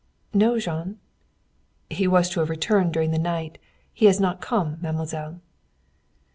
"No, Jean." "He was to have returned during the night. He has not come, mademoiselle."